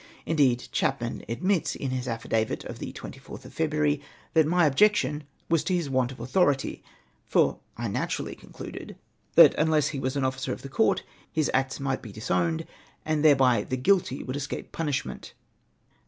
Indeed, Chapman admits, in his affidavit of the 24th of February, that my objection was to liis want of authority ; foi", I naturally concluded that unless AFRAID OF HIS OWX ACTS. 205 he was au officer of tlie Court his acts might be disowned, and thereby the guilty would escape punishment.